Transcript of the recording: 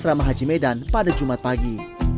asrama haji medan pada jumat pagi